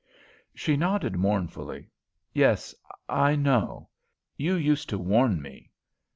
She nodded mournfully. "Yes, I know. You used to warn me.